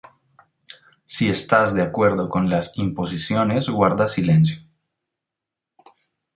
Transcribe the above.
Si estás de acuerdo con las imposiciones guarda silencio".